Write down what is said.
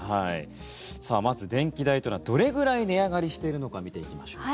まず電気代というのはどれぐらい値上がりしているのか見ていきましょう。